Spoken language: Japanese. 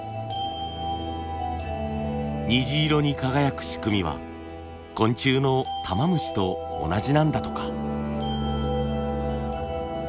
虹色に輝く仕組みは昆虫のタマムシと同じなんだとか。